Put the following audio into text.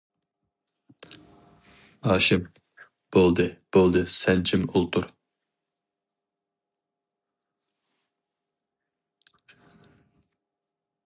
ھاشىم: بولدى، بولدى سەن جىم ئولتۇر.